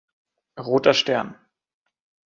Roter Stern.